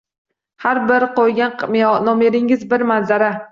Har bir qo‘ygan nomeringiz bir manzara.